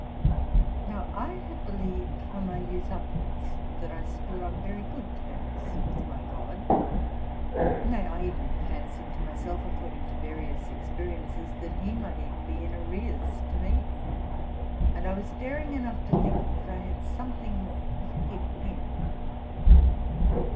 Now, I had believed from my youth upwards that I stood on very good terms with my God, —nay, I even fancied to my self, according to various experiences, that he might even be in arrears to me; and I was daring enough to think that I had something to forgive him.